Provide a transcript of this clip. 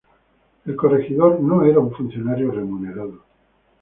El "corregidor" no era un funcionario remunerado.